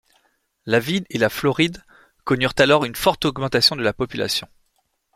La ville et la Floride connurent alors une forte augmentation de la population.